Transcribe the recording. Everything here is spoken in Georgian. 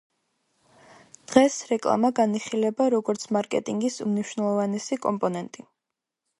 დღეს რეკლამა განიხილება, როგორც მარკეტინგის უმნიშვნელოვანესი კომპონენტი.